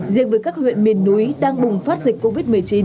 riêng với các huyện miền núi đang bùng phát dịch covid một mươi chín